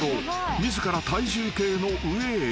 ［自ら体重計の上へ。